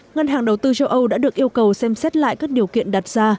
ngân hàng đầu tư châu âu đã được yêu cầu xem xét lại các điều kiện đặt ra